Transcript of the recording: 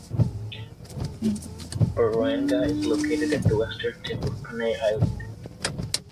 Buruanga is located at the western tip of Panay Island.